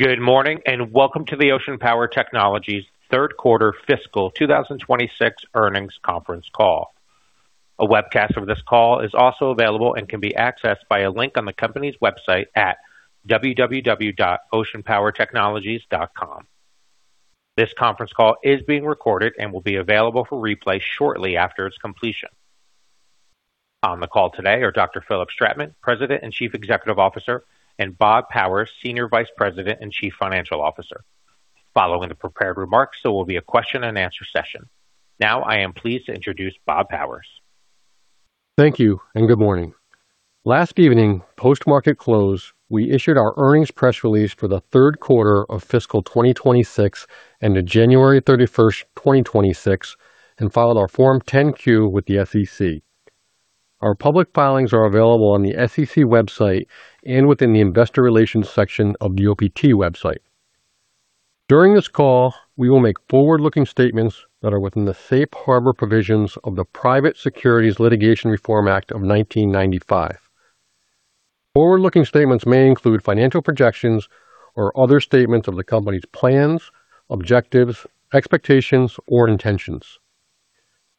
Good morning and welcome to the Ocean Power Technologies third quarter fiscal 2026 earnings conference call. A webcast of this call is also available and can be accessed by a link on the company's website at www.oceanpowertechnologies.com. This conference call is being recorded and will be available for replay shortly after its completion. On the call today are Dr. Philipp Stratmann, President and Chief Executive Officer, and Bob Powers, Senior Vice President and Chief Financial Officer. Following the prepared remarks, there will be a question and answer session. Now I am pleased to introduce Bob Powers. Thank you and good morning. Last evening, post-market close, we issued our earnings press release for the third quarter of fiscal 2026 ended January 31, 2026 and filed our Form 10-Q with the SEC. Our public filings are available on the SEC website and within the investor relations section of the OPT website. During this call, we will make forward-looking statements that are within the Safe Harbor provisions of the Private Securities Litigation Reform Act of 1995. Forward-looking statements may include financial projections or other statements of the company's plans, objectives, expectations, or intentions.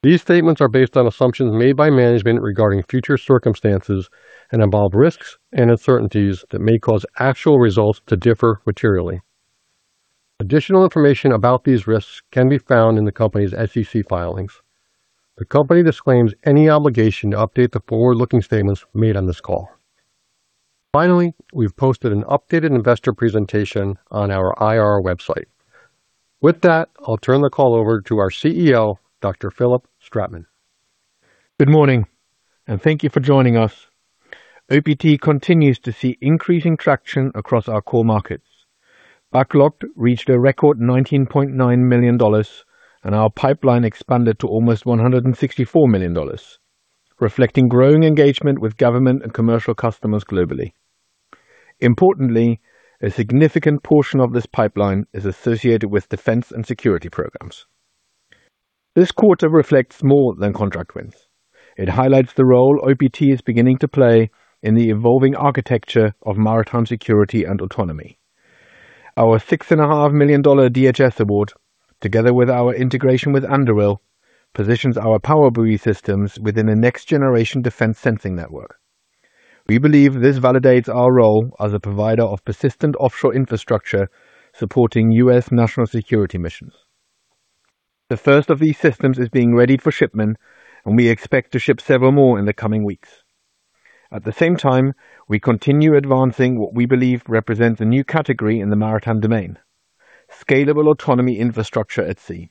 These statements are based on assumptions made by management regarding future circumstances and involve risks and uncertainties that may cause actual results to differ materially. Additional information about these risks can be found in the company's SEC filings. The company disclaims any obligation to update the forward-looking statements made on this call. Finally, we've posted an updated investor presentation on our IR website. With that, I'll turn the call over to our CEO, Dr. Philipp Stratmann. Good morning and thank you for joining us. OPT continues to see increasing traction across our core markets. Backlog reached a record $19.9 million and our pipeline expanded to almost $164 million, reflecting growing engagement with government and commercial customers globally. Importantly, a significant portion of this pipeline is associated with defense and security programs. This quarter reflects more than contract wins. It highlights the role OPT is beginning to play in the evolving architecture of maritime security and autonomy. Our $6.5 million DHS award, together with our integration with Anduril, positions our PowerBuoy systems within a next generation defense sensing network. We believe this validates our role as a provider of persistent offshore infrastructure supporting U.S. national security missions. The first of these systems is being readied for shipment, and we expect to ship several more in the coming weeks. At the same time, we continue advancing what we believe represents a new category in the maritime domain, scalable autonomy infrastructure at sea.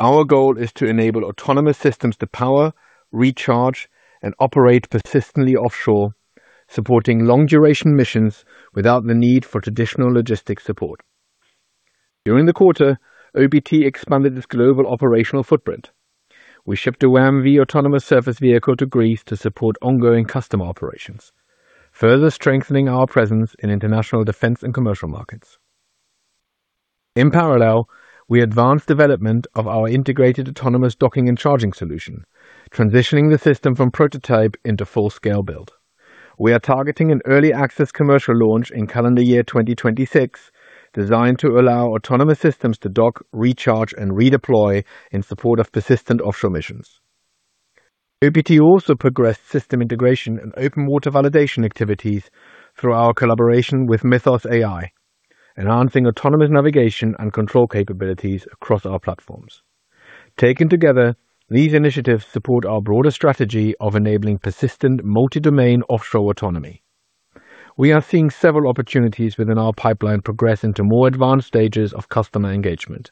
Our goal is to enable autonomous systems to power, recharge, and operate persistently offshore, supporting long-duration missions without the need for traditional logistics support. During the quarter, OPT expanded its global operational footprint. We shipped a WAM-V autonomous surface vehicle to Greece to support ongoing customer operations, further strengthening our presence in international defense and commercial markets. In parallel, we advanced development of our integrated autonomous docking and charging solution, transitioning the system from prototype into full-scale build. We are targeting an early access commercial launch in calendar year 2026, designed to allow autonomous systems to dock, recharge, and redeploy in support of persistent offshore missions. OPT also progressed system integration and open water validation activities through our collaboration with Mythos AI, enhancing autonomous navigation and control capabilities across our platforms. Taken together, these initiatives support our broader strategy of enabling persistent multi-domain offshore autonomy. We are seeing several opportunities within our pipeline progress into more advanced stages of customer engagement.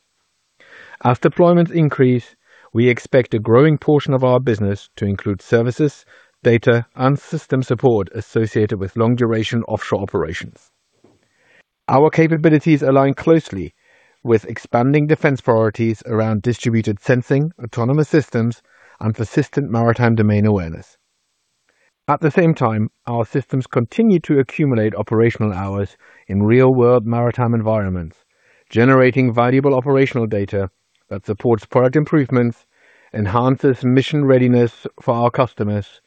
As deployments increase, we expect a growing portion of our business to include services, data, and system support associated with long-duration offshore operations. Our capabilities align closely with expanding defense priorities around distributed sensing, autonomous systems, and persistent maritime domain awareness. At the same time, our systems continue to accumulate operational hours in real-world maritime environments, generating valuable operational data that supports product improvements, enhances mission readiness for our customers,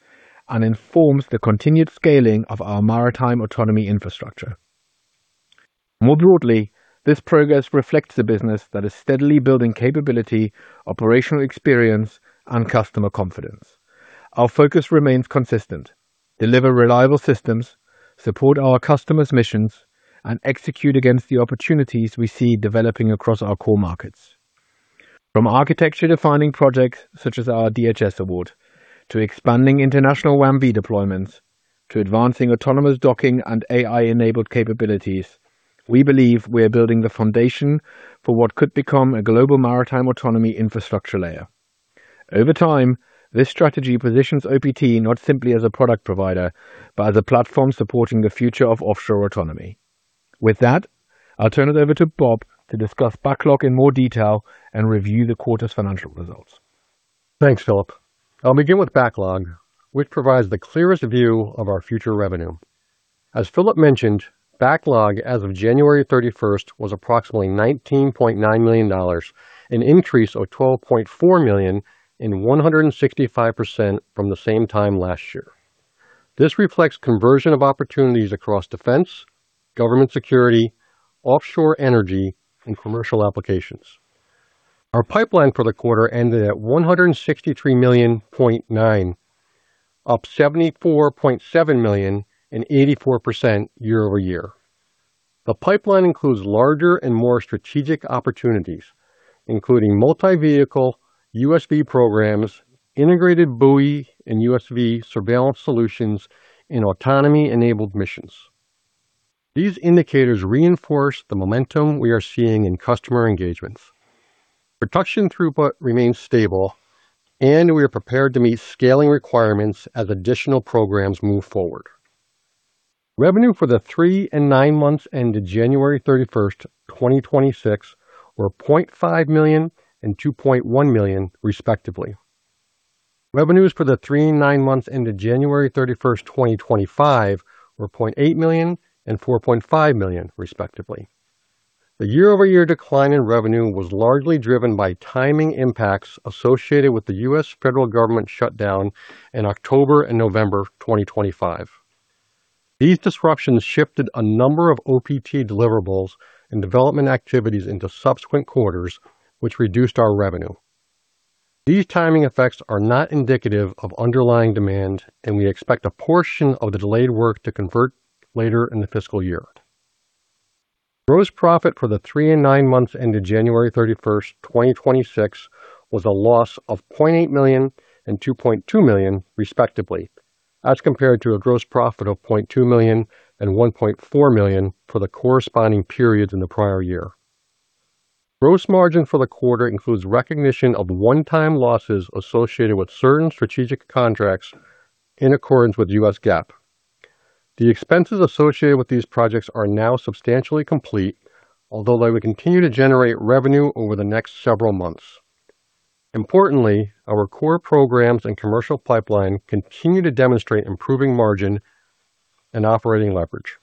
and informs the continued scaling of our maritime autonomy infrastructure. More broadly, this progress reflects a business that is steadily building capability, operational experience, and customer confidence. Our focus remains consistent, deliver reliable systems, support our customers' missions, and execute against the opportunities we see developing across our core markets. From architecture-defining projects such as our DHS award to expanding international WAM-V deployments to advancing autonomous docking and AI-enabled capabilities, we believe we're building the foundation for what could become a global maritime autonomy infrastructure layer. Over time, this strategy positions OPT not simply as a product provider, but as a platform supporting the future of offshore autonomy. With that, I'll turn it over to Bob to discuss backlog in more detail and review the quarter's financial results. Thanks, Philipp. I'll begin with backlog, which provides the clearest view of our future revenue. As Philipp mentioned, backlog as of January 31 was approximately $19.9 million, an increase of $12.4 million and 165% from the same time last year. This reflects conversion of opportunities across defense, government security, offshore energy and commercial applications. Our pipeline for the quarter ended at $163.9 million, up $74.7 million and 84% year-over-year. The pipeline includes larger and more strategic opportunities, including multi-vehicle USV programs, integrated buoy and USV surveillance solutions, and autonomy enabled missions. These indicators reinforce the momentum we are seeing in customer engagements. Production throughput remains stable and we are prepared to meet scaling requirements as additional programs move forward. Revenue for the three and nine months ended January thirty-first, 2026 were $0.5 million and $2.1 million respectively. Revenues for the three and nine months ended January thirty-first, 2025 were $0.8 million and $4.5 million respectively. The year-over-year decline in revenue was largely driven by timing impacts associated with the U.S. federal government shutdown in October and November 2025. These disruptions shifted a number of OPT deliverables and development activities into subsequent quarters, which reduced our revenue. These timing effects are not indicative of underlying demand, and we expect a portion of the delayed work to convert later in the fiscal year. Gross profit for the three and nine months ended January 31, 2026 was a loss of $0.8 million and $2.2 million respectively, as compared to a gross profit of $0.2 million and $1.4 million for the corresponding periods in the prior year. Gross margin for the quarter includes recognition of one-time losses associated with certain strategic contracts in accordance with U.S. GAAP. The expenses associated with these projects are now substantially complete, although they will continue to generate revenue over the next several months. Importantly, our core programs and commercial pipeline continue to demonstrate improving margin and operating leverage.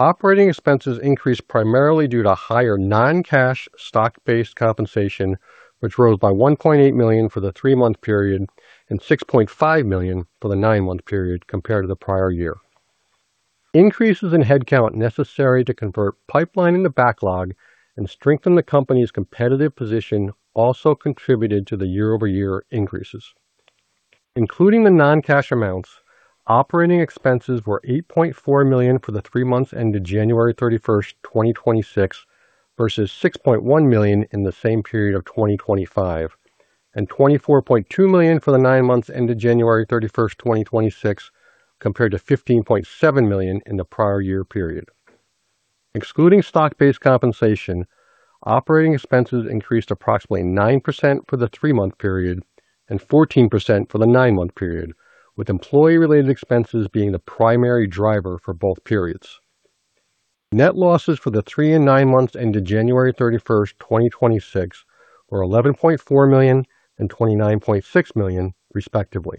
Operating expenses increased primarily due to higher non-cash stock-based compensation, which rose by $1.8 million for the three-month period and $6.5 million for the nine-month period compared to the prior year. Increases in headcount necessary to convert pipeline into backlog and strengthen the company's competitive position also contributed to the year-over-year increases. Including the non-cash amounts, operating expenses were $8.4 million for the three months ended January 31, 2026 versus $6.1 million in the same period of 2025, and $24.2 million for the nine months ended January 31, 2026 compared to $15.7 million in the prior year period. Excluding stock-based compensation, operating expenses increased approximately 9% for the three-month period and 14% for the nine-month period, with employee related expenses being the primary driver for both periods. Net losses for the three and nine months ended January 31, 2026 were $11.4 million and $29.6 million respectively.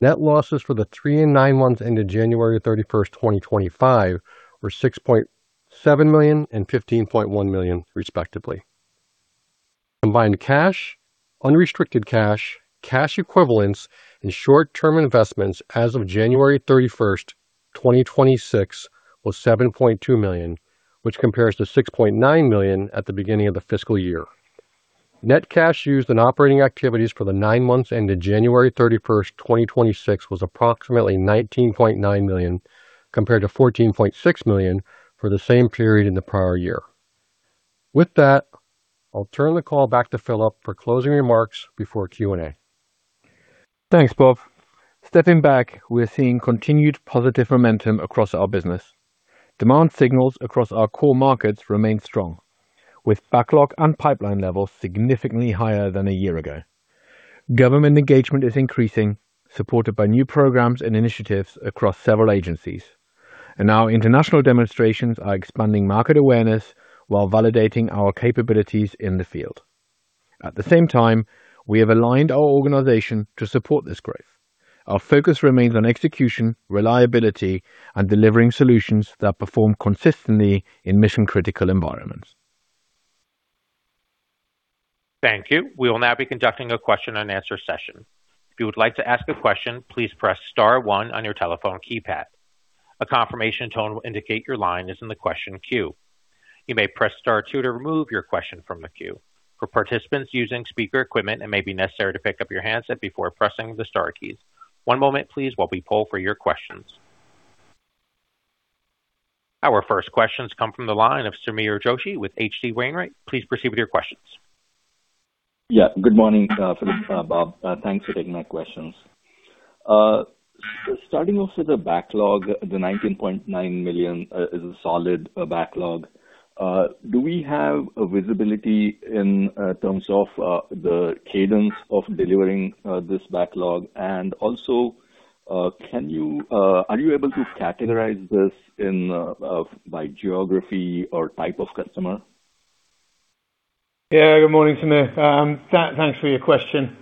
Net losses for the three and nine months ended January 31st, 2025 were $6.7 million and $15.1 million respectively. Combined cash, unrestricted cash equivalents and short-term investments as of January 31st, 2026 was $7.2 million, which compares to $6.9 million at the beginning of the fiscal year. Net cash used in operating activities for the nine months ended January 31st, 2026 was approximately $19.9 million, compared to $14.6 million for the same period in the prior year. With that, I'll turn the call back to Philipp for closing remarks before Q&A. Thanks, Bob. Stepping back, we're seeing continued positive momentum across our business. Demand signals across our core markets remain strong, with backlog and pipeline levels significantly higher than a year ago. Government engagement is increasing, supported by new programs and initiatives across several agencies, and our international demonstrations are expanding market awareness while validating our capabilities in the field. At the same time, we have aligned our organization to support this growth. Our focus remains on execution, reliability, and delivering solutions that perform consistently in mission critical environments. Thank you. We will now be conducting a question and answer session. If you would like to ask a question, please press star one on your telephone keypad. A confirmation tone will indicate your line is in the question queue. You may press star two to remove your question from the queue. For participants using speaker equipment, it may be necessary to pick up your handset before pressing the star keys. One moment please while we poll for your questions. Our first questions come from the line of Sameer Joshi with H.C. Wainwright. Please proceed with your questions. Yeah. Good morning, Philipp, Bob. Thanks for taking my questions. Starting off with the backlog, the $19.9 million is a solid backlog. Do we have visibility in terms of the cadence of delivering this backlog? Are you able to categorize this by geography or type of customer? Yeah. Good morning, Samir. Thanks for your question.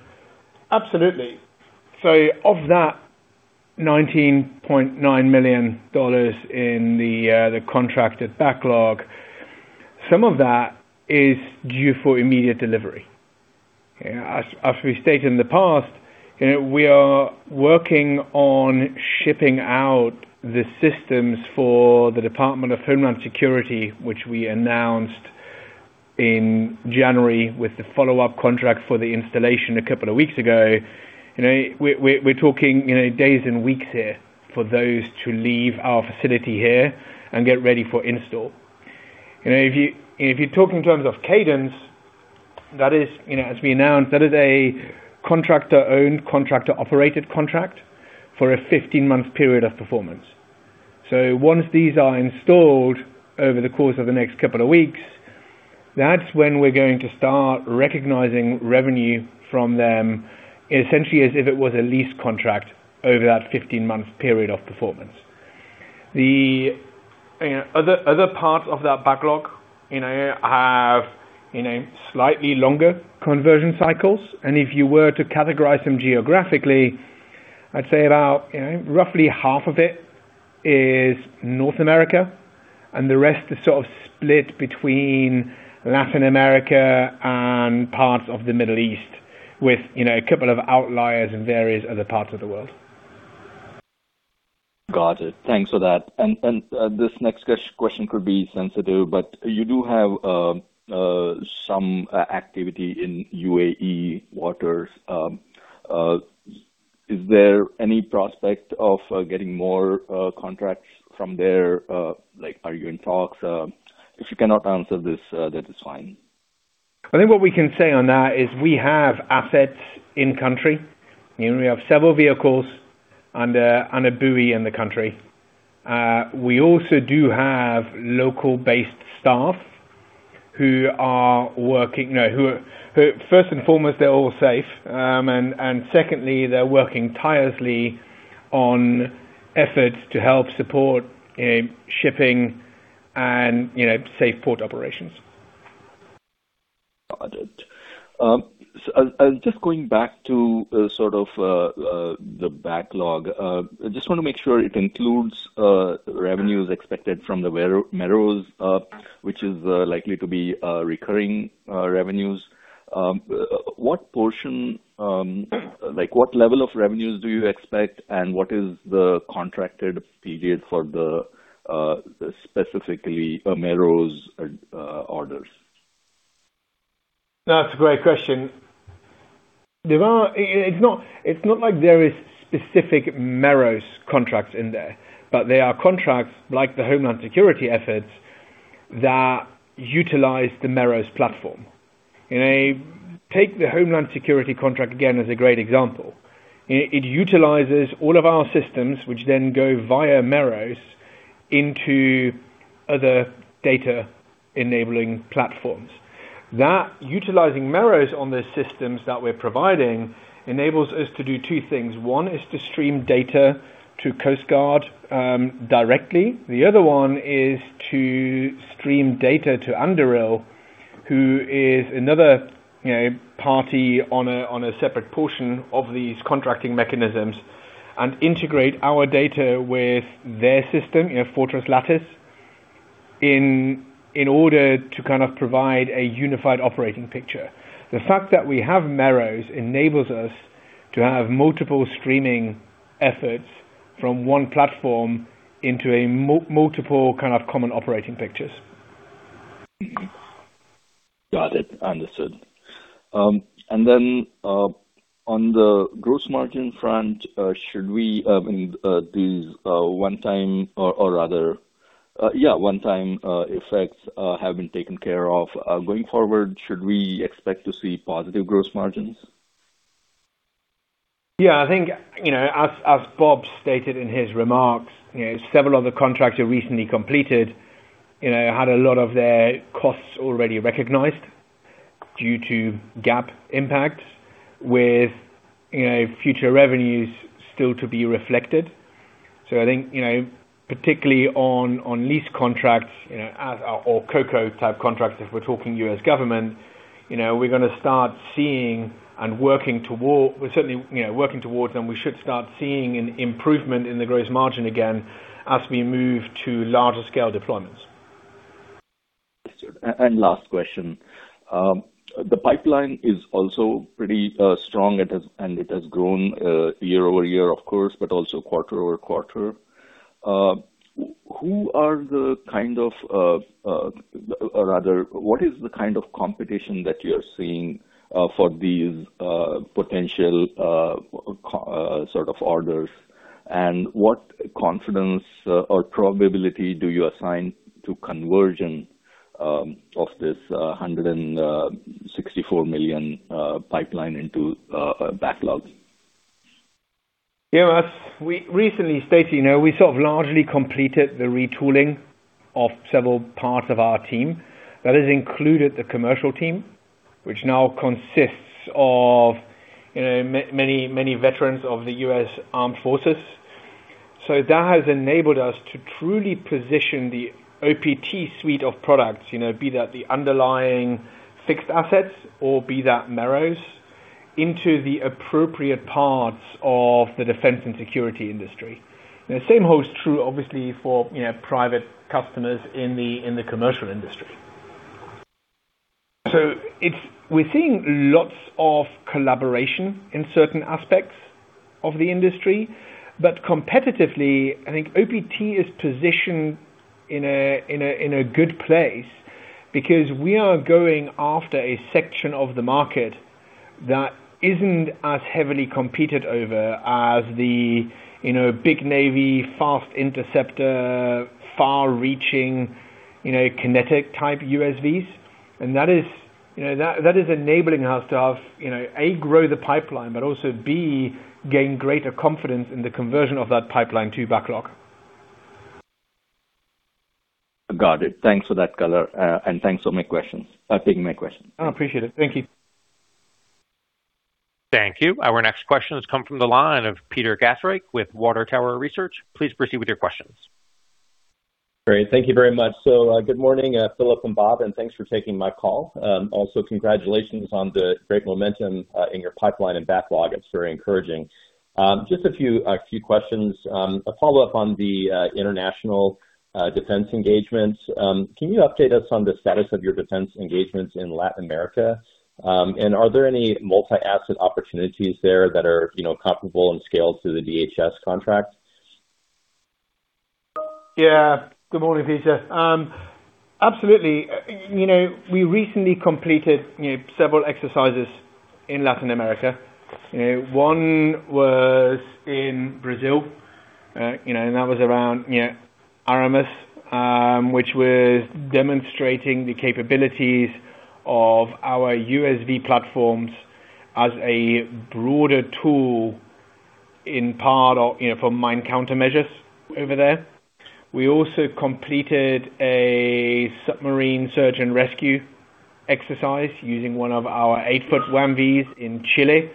Absolutely. Of that $19.9 million in the contracted backlog, some of that is due for immediate delivery. Yeah. As we stated in the past, you know, we are working on shipping out the systems for the Department of Homeland Security, which we announced in January with the follow-up contract for the installation a couple of weeks ago. You know, we're talking, you know, days and weeks here for those to leave our facility here and get ready for install. You know, if you, if you talk in terms of cadence, that is, you know, as we announced, that is a contractor-owned contractor-operated contract for a 15-month period of performance. Once these are installed over the course of the next couple of weeks, that's when we're going to start recognizing revenue from them essentially as if it was a lease contract over that 15-month period of performance. The other parts of that backlog, you know, have slightly longer conversion cycles. If you were to categorize them geographically, I'd say about, you know, roughly half of it is North America, and the rest is sort of split between Latin America and parts of the Middle East with, you know, a couple of outliers in various other parts of the world. Got it. Thanks for that. This next question could be sensitive, but you do have some activity in UAE waters. Is there any prospect of getting more contracts from there? Like, are you in talks? If you cannot answer this, that is fine. I think what we can say on that is we have assets in country. You know, we have several vehicles and a buoy in the country. We also do have local-based staff who are working, you know, first and foremost, they're all safe. Secondly, they're working tirelessly on efforts to help support, you know, shipping and, you know, safe port operations. Got it. I'll just going back to sort of the backlog. I just wanna make sure it includes revenues expected from the Merrows, which is likely to be recurring revenues. What portion, like what level of revenues do you expect, and what is the contracted period for the specifically Merrows orders? That's a great question. It's not like there is specific Merrows contracts in there. There are contracts like the Homeland Security efforts that utilize the Merrows platform. You know, take the Homeland Security contract again as a great example. It utilizes all of our systems which then go via Merrows into other data-enabling platforms. That utilizing Merrows on the systems that we're providing enables us to do two things. One is to stream data to Coast Guard directly. The other one is to stream data to Anduril, who is another, you know, party on a separate portion of these contracting mechanisms and integrate our data with their system, you know, for this Lattice in order to kind of provide a unified operating picture. The fact that we have Merrows enables us to have multiple streaming efforts from one platform into a multiple kind of common operating pictures. Got it. Understood. On the gross margin front, these one-time effects have been taken care of, going forward, should we expect to see positive gross margins? Yeah, I think, you know, as Bob stated in his remarks, you know, several of the contracts are recently completed, you know, had a lot of their costs already recognized due to GAAP impacts with, you know, future revenues still to be reflected. I think, you know, particularly on lease contracts, you know, such as COCO-type contracts, if we're talking U.S. government, you know, we're gonna start seeing and working toward them. We're certainly, you know, working towards them. We should start seeing an improvement in the gross margin again as we move to larger scale deployments. Understood. Last question. The pipeline is also pretty strong. It has grown year-over-year, of course, but also quarter-over-quarter. Or rather, what is the kind of competition that you're seeing for these potential sort of orders? What confidence or probability do you assign to conversion of this $164 million pipeline into backlog? Yeah. As we recently stated, you know, we sort of largely completed the retooling of several parts of our team. That has included the commercial team, which now consists of, you know, many veterans of the U.S. Armed Forces. That has enabled us to truly position the OPT suite of products, you know, be that the underlying fixed assets or be that Merrows into the appropriate parts of the defense and security industry. The same holds true obviously for, you know, private customers in the commercial industry. It's. We're seeing lots of collaboration in certain aspects of the industry. Competitively, I think OPT is positioned in a good place because we are going after a section of the market that isn't as heavily competed over as the, you know, big navy, fast interceptor, far-reaching, you know, kinetic type USVs. That is, you know, that is enabling us to have, you know, A, grow the pipeline, but also B, gain greater confidence in the conversion of that pipeline to backlog. Got it. Thanks for that color, and thanks for my questions. I appreciate it. Thank you. Thank you. Our next question has come from the line of Peter Gastreich with Water Tower Research. Please proceed with your questions. Great. Thank you very much. Good morning, Philipp and Bob, and thanks for taking my call. Also congratulations on the great momentum in your pipeline and backlog. It's very encouraging. Just a few questions. A follow-up on the international defense engagements. Can you update us on the status of your defense engagements in Latin America? Are there any multi-asset opportunities there that are, you know, comparable in scale to the DHS contract? Yeah. Good morning, Peter. Absolutely. You know, we recently completed, you know, several exercises in Latin America. You know, one was in Brazil, you know, and that was around, you know, UNITAS, which was demonstrating the capabilities of our USV platforms as part of, you know, for mine countermeasures over there. We also completed a submarine search and rescue exercise using one of our eight-foot WAM-Vs in Chile,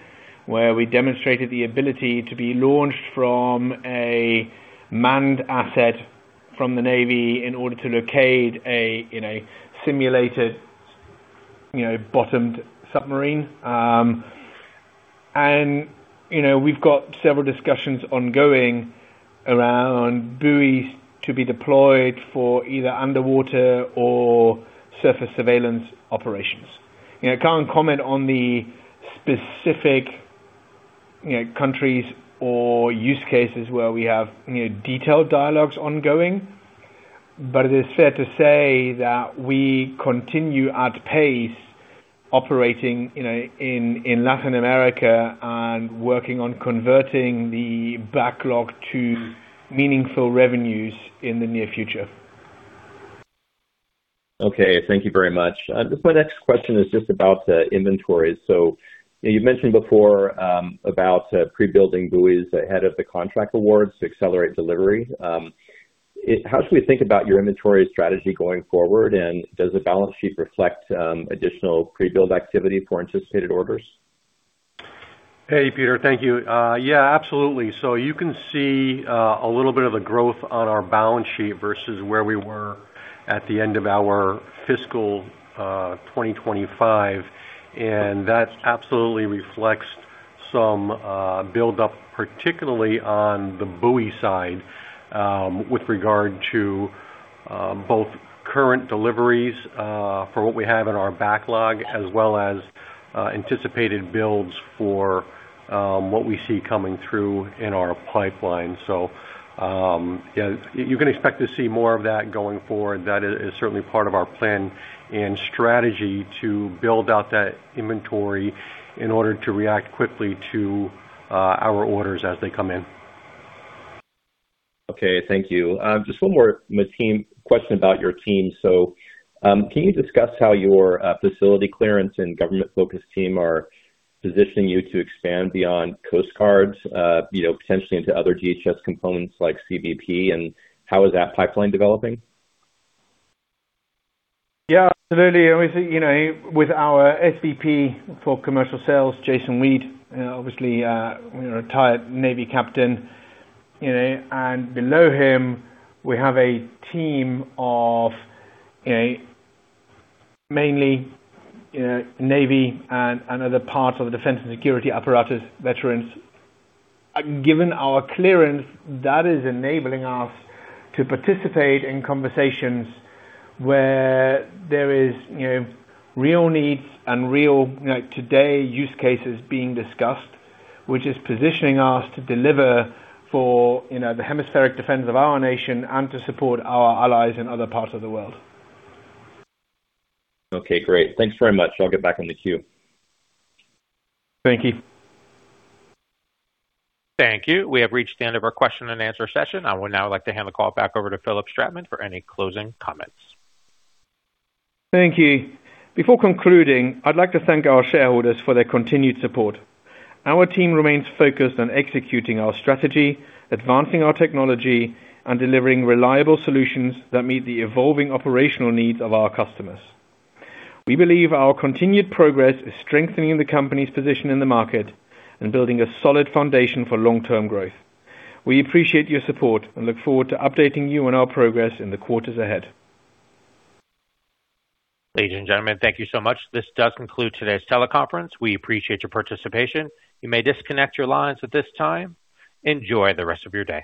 where we demonstrated the ability to be launched from a manned asset from the navy in order to locate a, you know, simulated, you know, bottomed submarine. And, you know, we've got several discussions ongoing around buoys to be deployed for either underwater or surface surveillance operations. You know, I can't comment on the specific, you know, countries or use cases where we have, you know, detailed dialogues ongoing, but it is fair to say that we continue at pace operating, you know, in Latin America and working on converting the backlog to meaningful revenues in the near future. Okay. Thank you very much. My next question is just about the inventory. You know, you've mentioned before about pre-building buoys ahead of the contract awards to accelerate delivery. How should we think about your inventory strategy going forward? And does the balance sheet reflect additional pre-build activity for anticipated orders? Hey, Peter. Thank you. Yeah, absolutely. You can see a little bit of the growth on our balance sheet versus where we were at the end of our fiscal 2025, and that absolutely reflects some buildup, particularly on the buoy side, with regard to both current deliveries for what we have in our backlog, as well as anticipated builds for what we see coming through in our pipeline. You can expect to see more of that going forward. That is certainly part of our plan and strategy to build out that inventory in order to react quickly to our orders as they come in. Okay. Thank you. Just one more, Mateen, question about your team. Can you discuss how your facility clearance and government-focused team are positioning you to expand beyond Coast Guard, you know, potentially into other DHS components like CBP, and how is that pipeline developing? Yeah, absolutely. I mean, you know, with our SVP for commercial sales, Jason Weed, obviously, you know, a retired Navy captain, you know. Below him, we have a team of, you know, mainly, you know, Navy and other parts of the defense and security apparatus veterans. Given our clearance, that is enabling us to participate in conversations where there is, you know, real needs and real, you know, today use cases being discussed, which is positioning us to deliver for, you know, the hemispheric defense of our nation and to support our allies in other parts of the world. Okay, great. Thanks very much. I'll get back in the queue. Thank you. Thank you. We have reached the end of our question and answer session. I would now like to hand the call back over to Philipp Stratmann for any closing comments. Thank you. Before concluding, I'd like to thank our shareholders for their continued support. Our team remains focused on executing our strategy, advancing our technology, and delivering reliable solutions that meet the evolving operational needs of our customers. We believe our continued progress is strengthening the company's position in the market and building a solid foundation for long-term growth. We appreciate your support and look forward to updating you on our progress in the quarters ahead. Ladies and gentlemen, thank you so much. This does conclude today's teleconference. We appreciate your participation. You may disconnect your lines at this time. Enjoy the rest of your day.